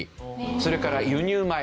それから輸入米。